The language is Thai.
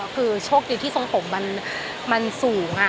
คือโชคดีที่ทรงผมมันสูง